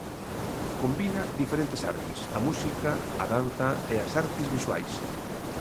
Combina diferentes artes: a música, a danza e as artes visuais.